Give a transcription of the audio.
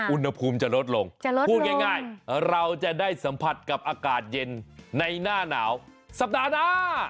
อุณหภูมิจะลดลงจะลดพูดง่ายเราจะได้สัมผัสกับอากาศเย็นในหน้าหนาวสัปดาห์หน้า